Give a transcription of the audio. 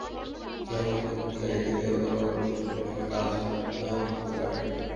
যেমন একটি গাড়িতে তেল দেওয়ার পরও সঠিকভাবে কাজ না-ও করতে পারে।